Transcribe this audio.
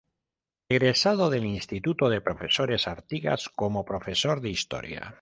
Egresado del Instituto de Profesores Artigas como profesor de Historia.